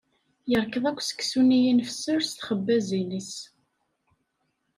Yerkeḍ akk seksu-nni i nefser s txabbazin-is.